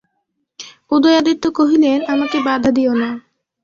উদয়াদিত্য কহিলেন, আমাকে বাধা দিয়ো না।